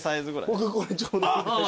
僕これちょうど。